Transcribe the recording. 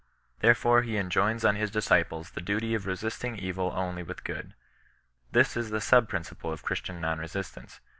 Therefore he en joins on his disciples the duty of resisting evil only with good. This is the sub principle of Christian non resist ance.